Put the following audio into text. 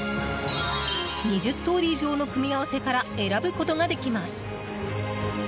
２０通り以上の組み合わせから選ぶことができます。